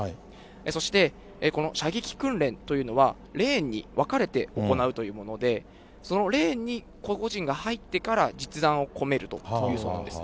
そして、この射撃訓練というのは、レーンに分かれて行うというもので、そのレーンに個々人が入ってから実弾を込めるというそうなんです。